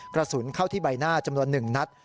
กระสุนเข้าที่ใบหน้าจำนวน๑นัด